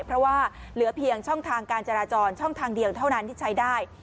เพราะว่าเหลือเพียงช่องทางการจราจรช่องทางเดียวเท่านั้นที่ใช้ได้